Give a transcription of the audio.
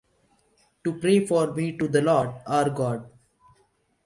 to pray for me to the Lord, our God.